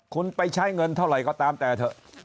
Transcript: คุณไปใช้เงินเท่าไหร่ก็ตามแต่เถอะ